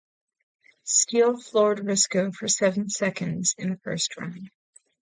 Steele floored Risko for seven seconds in the first round.